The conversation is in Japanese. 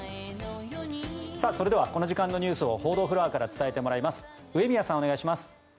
それではこの時間のニュースを報道フロアから伝えてもらいます上宮さん、お願いします。